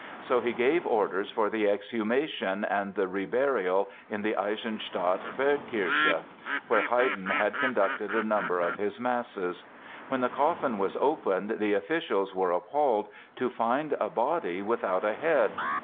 So he gave orders for the exhumation and the reburial in the Eisenstadt Bergkirche, where Haydn had conducted a number of his masses. When the coffin was opened the officials were appalled to find a body without a head!